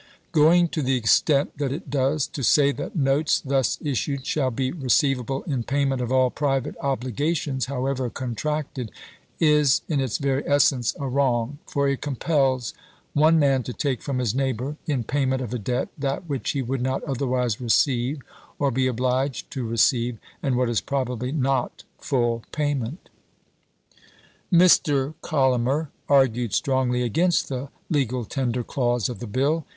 Going to the extent that it does, to say that notes thus issued shall be receivable in payment of all private obli gations, however contracted, is in its very essence a wrong, for it compels one man to take from his neighbor, in payment of a debt, that which he would not otherwise receive or be obliged to receive, and what is probably not full payment. Mr. Collamer argued strongly against the legal tender clause of the bill.